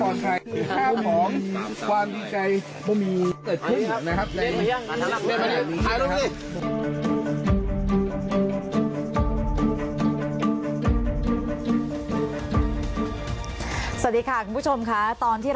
ตอนนั้นเริ่มถอยลงมาว่าไม่มีความมั่นใจว่าจะจัดการทางแรก